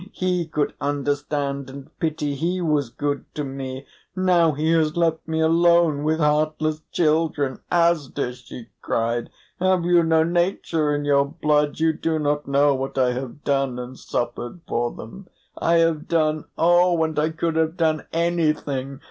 He could understand and pity, he was good to me. Now he has left me alone with heartless children! Asdis," she cried, "have you no nature in your blood? You do not know what I have done and suffered for them. I have done oh, and I could have done anything!